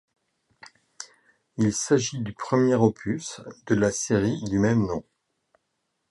Il s'agit du premier opus de la série du même nom.